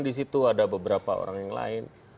di situ ada beberapa orang yang lain